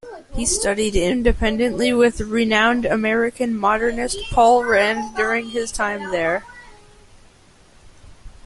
He studied independently with renowned American modernist Paul Rand during his time there.